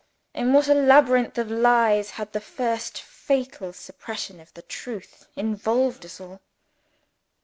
In what a labyrinth of lies had the first fatal suppression of the truth involved us all!